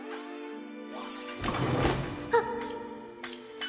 あっ！